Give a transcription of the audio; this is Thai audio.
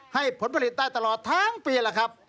ผลผลิตได้ตลอดทั้งปีล่ะครับ